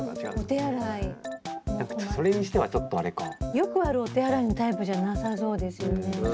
よくあるお手洗いのタイプじゃなさそうですよね。